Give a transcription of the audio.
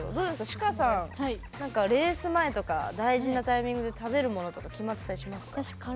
シュカさんなんかレース前とか大事なタイミングで食べるものとか決まってたりしますか？